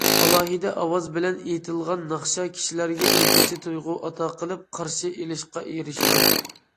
ئالاھىدە ئاۋاز بىلەن ئېيتىلغان ناخشا كىشىلەرگە ئۆزگىچە تۇيغۇ ئاتا قىلىپ، قارشى ئېلىشقا ئېرىشىدۇ.